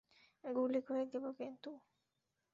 গুলি করে দিবো কিন্তু।